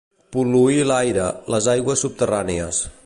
Pol·luir l'aire, les aigües subterrànies.